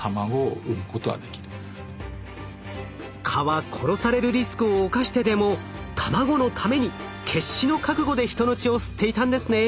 蚊は殺されるリスクを冒してでも卵のために決死の覚悟で人の血を吸っていたんですね。